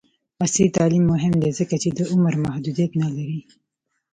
عصري تعلیم مهم دی ځکه چې د عمر محدودیت نه لري.